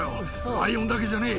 ライオンだけじゃねえ。